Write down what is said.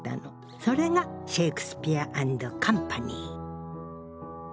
それがシェイクスピア・アンド・カンパニー。